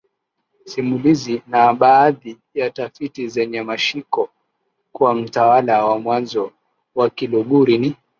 simulizi na baadhi ya tafiti zenye mashiko kuwa Mtawala wa mwanzo wa Kiluguru ni